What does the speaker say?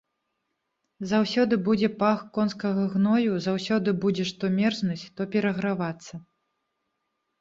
Заўсёды будзе пах конскага гною, заўсёды будзеш то мерзнуць, то перагравацца.